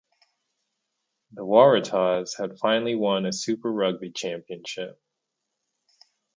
The Waratahs had finally won a Super Rugby Championship.